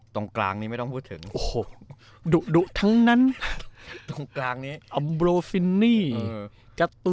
ตรงกลางนี้ไม่ต้องพูดถึง